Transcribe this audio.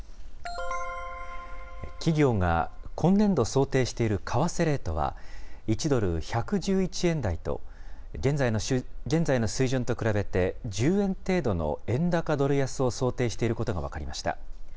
企業が今年度想定している為替レートは、１ドル１１１円台と、現在の水準と比べて、１０円程度の円高ドル安を想定していることが分かりました。